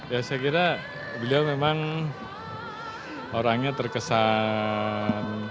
ya saya kira beliau memang orangnya terkesan